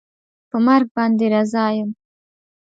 په مرګ باندې رضا یم